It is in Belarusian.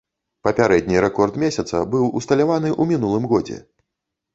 Папярэдні рэкорд месяца быў усталяваны ў мінулым годзе.